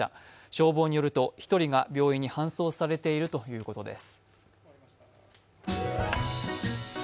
消防によると１人が病院に搬送されているということです。